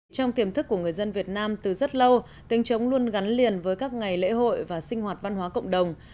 trong tiềm thức của người dân việt nam từ rất lâu tiếng trống luôn gắn liền với các ngày lễ hội và sinh hoạt văn hóa cộng đồng